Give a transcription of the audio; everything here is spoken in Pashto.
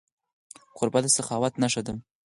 کوربه د سخاوت نښه ده.